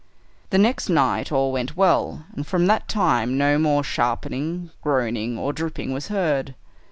The next night all went well, and from that time no more sharpening, groaning, or dripping was heard.